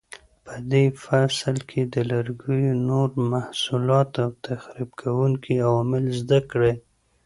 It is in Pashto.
په دې فصل کې د لرګیو نور محصولات او تخریب کوونکي عوامل زده کړئ.